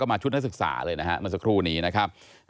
มาชุดนักศึกษาเลยนะฮะเมื่อสักครู่นี้นะครับ